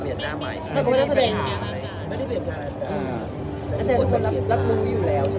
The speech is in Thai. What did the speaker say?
แต่ทุกคนรับรู้อยู่แล้ว